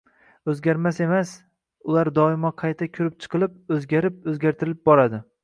oʻzgarmas emas, ular doimo qayta koʻrib chiqilib, oʻzgarib, oʻzgartirilib boradi.